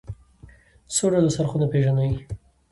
څو ډوله څرخونه پيژنئ.